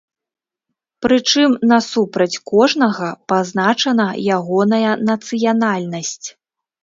Прычым насупраць кожнага пазначана ягоная нацыянальнасць.